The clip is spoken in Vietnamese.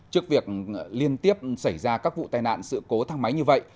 trước việc liên tiếp xảy ra các vụ tai nạn sự cố thang máy như vậy